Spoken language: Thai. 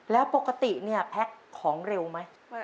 แล้วปกติแพ็คของเร็วไหม